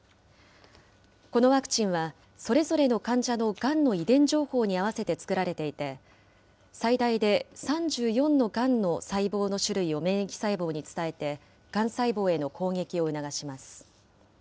このワクチンは、それぞれの患者のがんの遺伝情報に合わせて作られていて、最大で３４のがんの細胞の種類を免疫細胞に伝えて、がん細胞への攻撃を促します。